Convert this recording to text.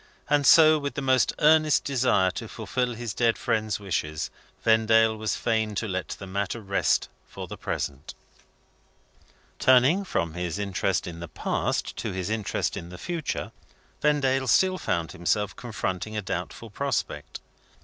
And so, with the most earnest desire to fulfil his dead friend's wishes, Vendale was fain to let the matter rest for the present. Turning from his interest in the past to his interest in the future, Vendale still found himself confronting a doubtful prospect.